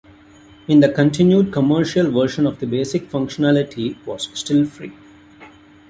In the continued commercial version the basic functionality was still free.